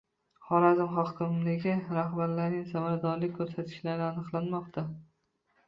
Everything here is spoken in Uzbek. Xorazm hokimlik rahbarlarining samaradorlik ko‘rsatkichlari aniqlanmoqda